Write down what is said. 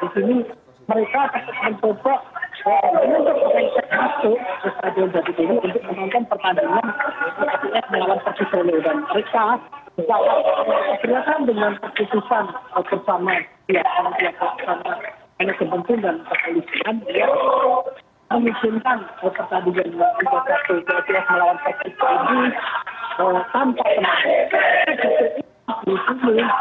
di sini mereka mencoba untuk menentuk rekses masuk ke stadion jatidiri untuk menonton pertandingan psis lawan persis solo